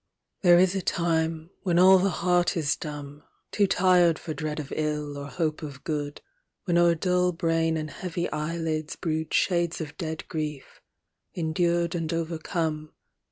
There is a time, when all the heart is dumb, Too tired for dread of ill, or hope of good ; A\'hen o'er dull brain and heavy eyelids brood Shades of dead grief, endured and overcome.